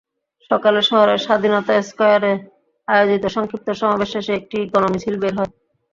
সকালে শহরের স্বাধীনতা স্কয়ারে আয়োজিত সংক্ষিপ্ত সমাবেশ শেষে একটি গণমিছিল বের হয়।